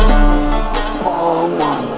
dan aku yakin